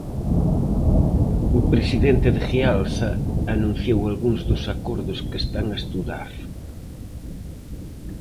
O presidente de Jealsa anunciou algúns dos acordos que están a estudar.